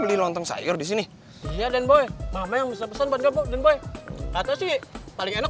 beli lontong sayur di sini ya dan boy mama yang bisa pesan buat gabung dan boy atau sih paling enak